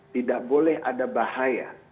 tidak boleh ada bahaya